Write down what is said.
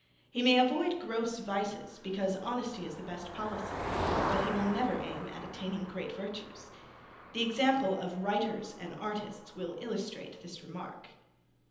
He may avoid gross vices, because honesty is the best policy; but he will never aim at attaining great virtues. The example of writers and artists will illustrate this remark.